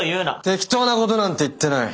適当なことなんて言ってない！